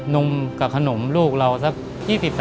นมกับขนมลูกเราสัก๒๐บาท